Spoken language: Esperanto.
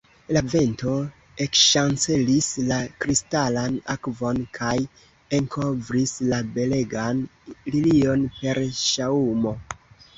La vento ekŝancelis la kristalan akvon kaj enkovris la belegan lilion per ŝaŭmo.